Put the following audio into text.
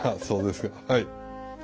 そうですかはい。